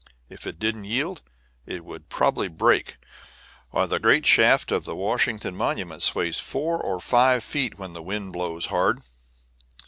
If it didn't yield it would probably break. Why, the great shaft of the Washington Monument sways four or five feet when the wind blows hard."